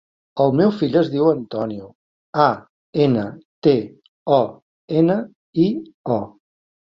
El meu fill es diu Antonio: a, ena, te, o, ena, i, o.